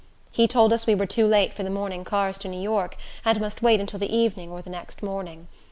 He told us we were too late for the morning cars to New York, and must wait until the evening, or the next morning.